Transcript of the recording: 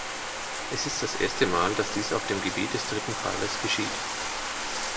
Es ist das erste Mal, dass dies auf dem Gebiet des dritten Pfeilers geschieht.